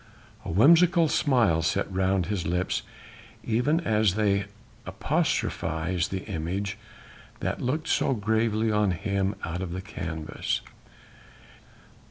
A whimsical smile sat round his lips even as they apostrophized the image that looked so gravely on him out of the canvas.